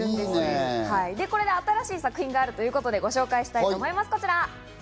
新しい作品があるということでご紹介したいと思います、こちら。